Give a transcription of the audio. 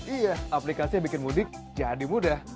iya aplikasi yang bikin mudik jadi mudah